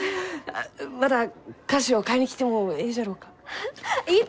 また菓子を買いに来てもえいじゃろうか？